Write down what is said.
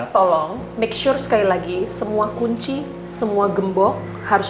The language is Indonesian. tolong make sure sekali lagi semua kunci semua gembok harus